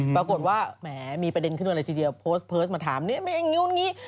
ปรากฏว่าแหมมีประเด็นขึ้นกันอะไรทีเดียวโพสต์มาถามแบบนี้แบบนี้แบบนี้